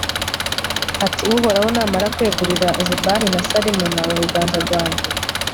ati uhoraho namara kwegurira zebahi na salimuna mu biganza byanjye